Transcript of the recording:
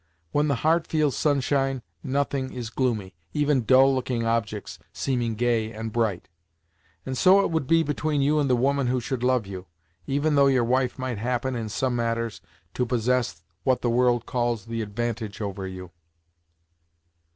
When the heart feels sunshine, nothing is gloomy, even dull looking objects, seeming gay and bright, and so it would be between you and the woman who should love you, even though your wife might happen, in some matters, to possess what the world calls the advantage over you."